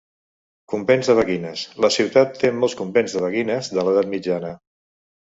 Convents de beguines: la ciutat té molts convents de beguines de l'Edat mitjana.